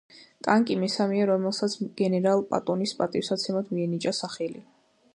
ტანკი მესამეა რომელსაც გენერალ პატონის პატივსაცემად მიენიჭა სახელი.